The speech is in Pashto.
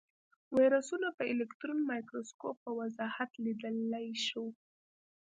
ویروسونه په الکترون مایکروسکوپ په وضاحت لیدلی شو.